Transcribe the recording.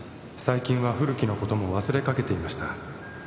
最近は古木の事も忘れかけていました」